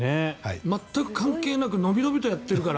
全く関係なくのびのびとやっているから。